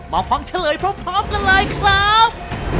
มาฟังเฉลยพร้อมกันเลยครับ